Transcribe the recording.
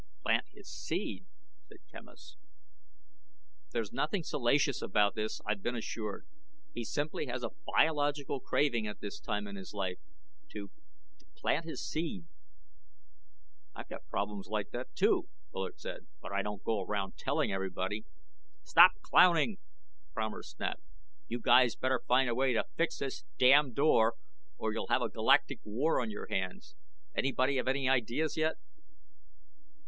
"Plant his seed?" said Quemos. "There's nothing salacious about this, I've been assured. He simply has a biological craving at this time in his life to to plant his seed." "I got problems like that, too," Bullard said, "but I don't go around telling everybody." "Stop clowning," Fromer snapped, "you guys better find a way to fix this damn door or you'll have a galactic war on your hands. Anybody have any ideas yet?"